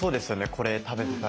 これ食べてたら。